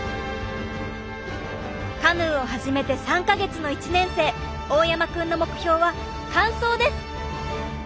カヌーを始めて３か月の１年生大山くんの目標は完走です！